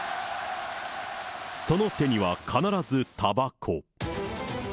その手には必ずたばこ。